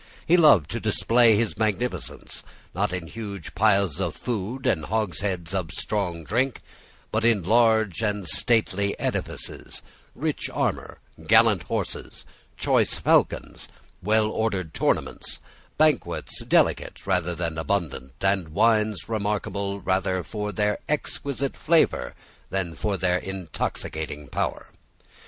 He loved to display his magnificence, not in huge piles of food and hogsheads of strong drink, but in large and stately edifices, rich armour, gallant horses, choice falcons, well ordered tournaments, banquets delicate rather than abundant, and wines remarkable rather for their exquisite flavour than for their intoxicating power.